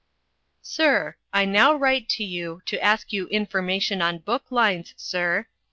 "Sir: I now write to you to ask you information on book lines Sir.